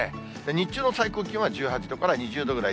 日中の最高気温は１８度から２０度ぐらい。